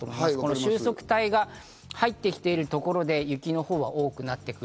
収束帯が入ってきているところで、雪の方が多くなってくる。